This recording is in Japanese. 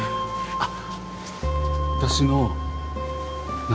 あっ！